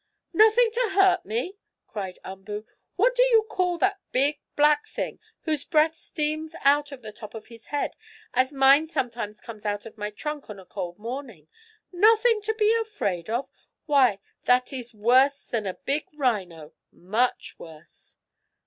"Nothing to hurt me!" cried Umboo. "What do you call that big, black thing, whose breath steams out of the top of his head, as mine sometimes comes out of my trunk on a cold morning? Nothing to be afraid of? Why, that is worse than a big rhino! Much worse!"